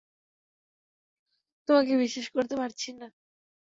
তোমাকে বিশ্বাস করতে পারছি না।